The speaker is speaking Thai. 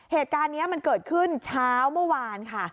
เหตุการณ์นี้มันเกิดขึ้นเช้าเมื่อวานค่ะ